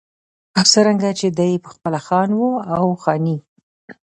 او څرنګه چې دى پخپله خان و او خاني